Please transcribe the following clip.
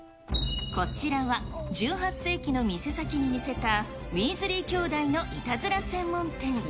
こちらは、１８世紀の店先に似せたウィーズリー兄弟のいたずら専門店。